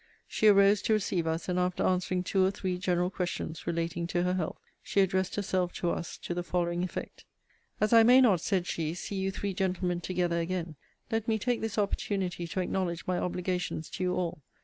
She arose to receive us, and after answering two or three general questions relating to her health, she addressed herself to us, to the following effect: As I may not, said she, see you three gentlemen together again, let me take this opportunity to acknowledge my obligations to you all.